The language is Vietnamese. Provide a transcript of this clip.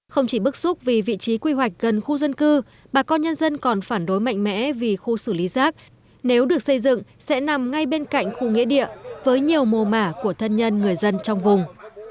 không chỉ bức xúc vì vị trí quy hoạch gần khu dân cư bà con nhân dân còn phản đối mạnh mẽ vì khu xử lý rác nếu được xây dựng sẽ nằm ngay bên cạnh khu nghĩa địa với nhiều mô mả của thân nhân người dân trong vùng